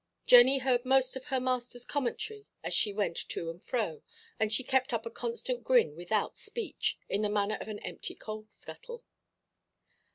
Jenny heard most of her masterʼs commentary as she went to and fro, and she kept up a constant grin without speech, in the manner of an empty coal–scuttle.